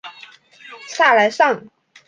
萨莱尚。